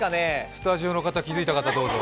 スタジオの方、気づいた方どうぞ。